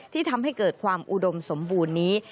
ทำให้เกิดความอุดมสมบูรณ์นี้